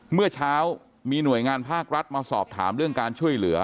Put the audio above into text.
เมื่อเช้ามีหน่วยงานภาครัฐมาสอบถามเรื่องการช่วยเหลือ